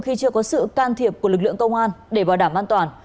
khi chưa có sự can thiệp của lực lượng công an để bảo đảm an toàn